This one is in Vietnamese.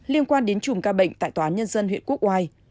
liên quan đến chùm ca bệnh tại tòa án nhân dân huyện quốc oai